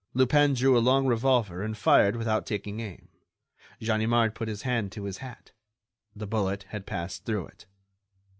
Lupin drew a long revolver and fired without taking aim. Ganimard put his hand to his hat: the bullet had passed through it.